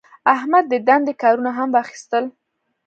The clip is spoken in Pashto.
احمد د دندې کارونه هم واخیستل.